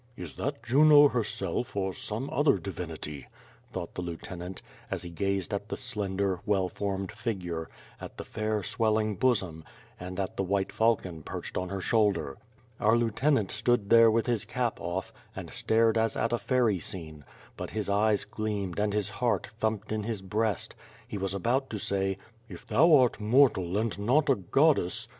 "Is that Juno herself, or some other divinity," thought the lieutenant, as he gazed at the slender, well formed figure, at the fair, swelling bosom, and at the white falcon perched on her shoulder. Our lieutenant stood there with his cap off, and stared as at a fairy scene; but his eyes gleamed, and his heart thumped in his breast. He was about to say, "If thou art mortal and not a goddess.